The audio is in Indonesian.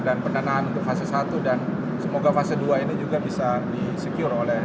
dan pendanaan untuk fase satu dan semoga fase dua ini juga bisa di secure